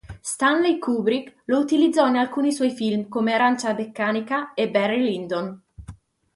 Stanley Kubrick lo utilizzò in alcuni suoi film, come "Arancia meccanica" e "Barry Lyndon".